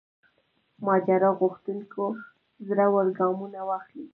ماجرا غوښتونکو زړه ور ګامونه واخلي.